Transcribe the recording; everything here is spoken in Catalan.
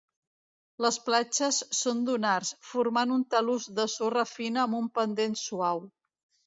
Les platges són dunars, formant un talús de sorra fina amb un pendent suau.